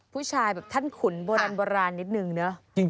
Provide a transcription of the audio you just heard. ผู้ชายแบบท่านขุนโบราณนิดนึงเนอะ